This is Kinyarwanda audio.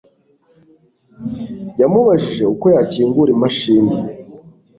yamubajije uko yakingura imashini